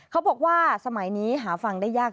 เขาบอกว่าสมัยนี้หาฟังได้ยาก